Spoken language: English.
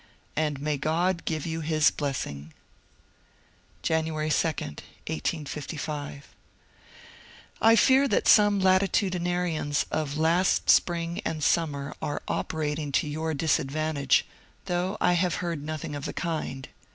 And may God give you his blessing ! Jan. 2, 1855. — I fear that some latitudinarians of last spring and summer are operating to your disadvantage, though I have heard nothing of the kind.